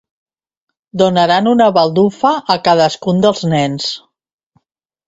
Donaran una baldufa a cadascun dels nens.